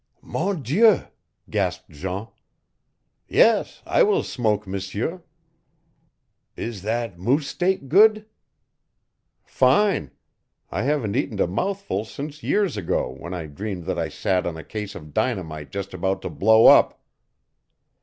"Mon Dieu!" gasped Jean. "Yes, I will smoke, M'seur. Is that moose steak good?" "Fine. I haven't eaten a mouthful since years ago, when I dreamed that I sat on a case of dynamite just about to blow up.